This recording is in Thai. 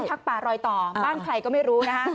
บ้านพรรคประแตรลอยต่อบ้านใครก็ไม่รู้นะ